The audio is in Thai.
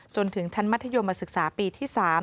จนถึงชั้นมัธยมศึกษาปีที่๓